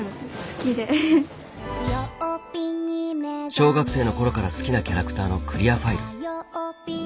小学生のころから好きなキャラクターのクリアファイル。